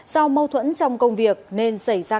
do mâu thuẫn trong công việc nên xảy ra